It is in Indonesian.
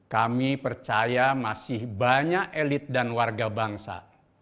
kami percaya masih banyak elit dan warga bangsa